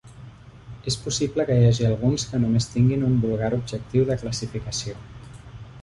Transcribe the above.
És possible que hi hagin alguns que només tinguin un vulgar objectiu de classificació.